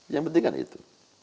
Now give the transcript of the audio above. yang penting kan itu